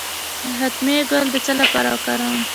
د ختمي ګل د څه لپاره وکاروم؟